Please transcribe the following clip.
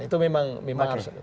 itu memang harus